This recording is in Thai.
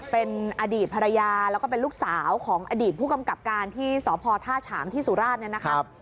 เป็นอดีตภรรยาแล้วก็เป็นลูกสาวของอดีตผู้กำกับการที่สพท่าฉางที่สุราชเนี่ยนะครับ